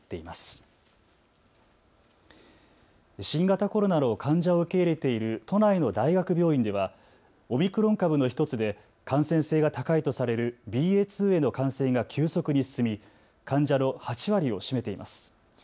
新型コロナの患者を受け入れている都内の大学病院ではオミクロン株の１つで感染性が高いとされるＢＡ．２への感染が急速に進み患者の８割を占めています。